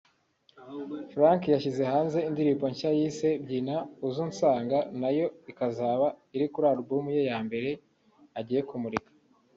Frankie yashyize hanze indirimbo nshya yise ‘Byina uza unsanga’ nayo ikazaba iri kuri album ya mbere agiye kumurika